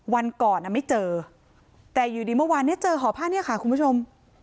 วันก่อนไม่เจอแต่อยู่ดีเมื่อวานเนี้ยเจอห่อผ้านี้ค่ะคุณผู้ชม